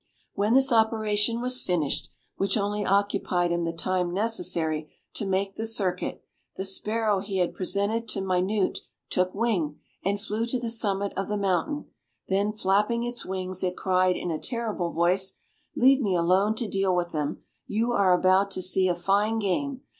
When this operation was finished, which only occupied him the time necessary to make the circuit, the sparrow he had presented to Minute took wing, and flew to the summit of the mountain; then flapping its wings, it cried, in a terrible voice, "Leave me alone to deal with them; you are about to see a fine game.